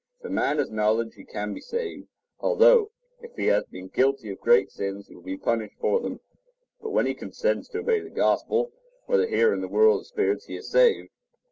If a man has knowledge, he can be saved; although, if he has been guilty of great sins, he will be punished for them. But when he consents to obey the Gospel, whether here or in the world of spirits, he is saved.